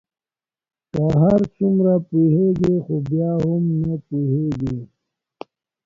که هر څومره پوهیږی خو بیا هم نه پوهیږې